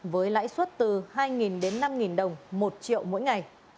với lãi suất từ hai đến năm đồng một triệu mỗi ngày